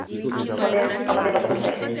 তোমাদের আমাদের বাঁচা কঠিন হয়ে গেছে।